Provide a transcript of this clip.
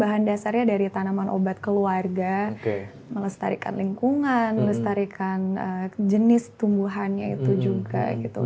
bahan dasarnya dari tanaman obat keluarga melestarikan lingkungan melestarikan jenis tumbuhannya itu juga gitu